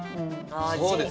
そうですね。